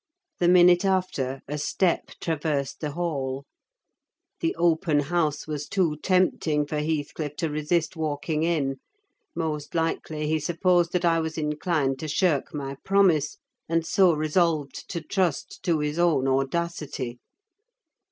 The minute after a step traversed the hall; the open house was too tempting for Heathcliff to resist walking in: most likely he supposed that I was inclined to shirk my promise, and so resolved to trust to his own audacity.